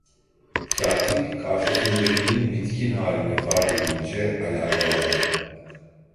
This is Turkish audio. Katip, karşısındakinin bitkin halini fark edince alakalandı.